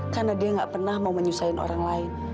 karena dia tidak pernah mau menyusahkan orang lain